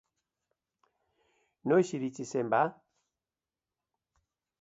Noiz iritsi zen, ba?